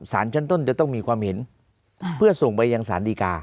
สารชั้นต้นจะต้องมีความเห็นเพื่อส่งไปยังสารดีกา